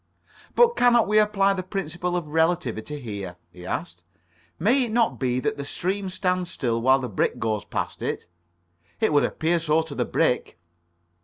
"But cannot we apply the principle of relativity here?" he asked. "May it not be that the stream stands still while the brick goes past it? It would appear so to the brick."